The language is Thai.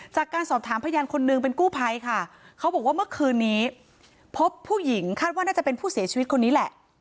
จากการสอบถามพยานคนนึงเป็นกู้ภัยค่ะเขาบอกว่าเมื่อคืนนี้พบผู้หญิงคาดว่าน่าจะเป็นผู้เสียชีวิตคนนี้แหละ